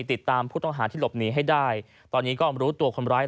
ติดตามผู้ต้องหาที่หลบหนีให้ได้ตอนนี้ก็รู้ตัวคนร้าย